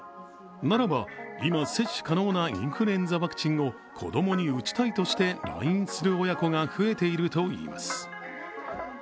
ならば、今接種可能なインフルエンザワクチンを子供に打ちたいとして来院する親子が増えているといいます。